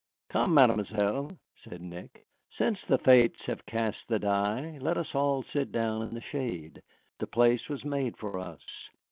"Come, Mademoiselle," said Nick, "since the fates have cast the die, let us all sit down in the shade. The place was made for us."